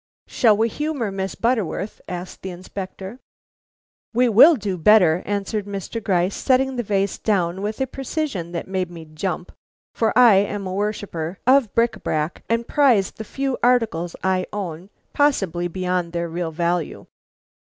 "Shall we humor Miss Butterworth?" asked the Inspector. "We will do better," answered Mr. Gryce, setting the vase down with a precision that made me jump; for I am a worshipper of bric à brac, and prize the few articles I own, possibly beyond their real value.